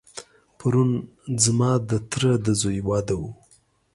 پرون ځما دتره دځوی واده و.